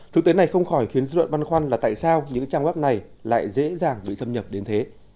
thực tế này không khỏi khiến dự đoạn văn khoăn là tại sao những trang web này lại dễ dàng bị xâm nhập đến thế